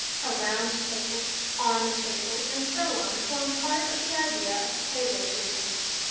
' A round table,' ' on the table,' and so on, form part of the idea of 'table' to him.